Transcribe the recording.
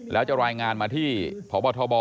แล้วจะรายงานมาที่พบทบ